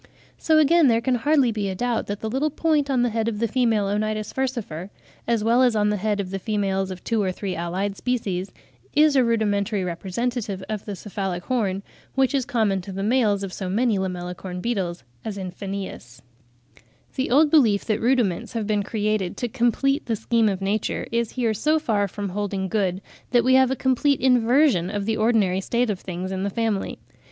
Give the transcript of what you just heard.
So, again, there can hardly be a doubt that the little point (a) on the head of the female Onitis furcifer, as well as on the head of the females of two or three allied species, is a rudimentary representative of the cephalic horn, which is common to the males of so many Lamellicorn beetles, as in Phanaeus (Fig. 18). The old belief that rudiments have been created to complete the scheme of nature is here so far from holding good, that we have a complete inversion of the ordinary state of things in the family.